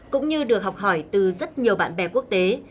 cũng như được học hỏi từ rất nhiều bạn bè quốc tế